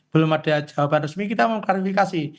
belum ada jawaban resmi kita mau klarifikasi